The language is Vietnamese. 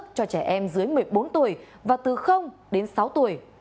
cấp căn cước cho trẻ em dưới một mươi bốn tuổi và từ đến sáu tuổi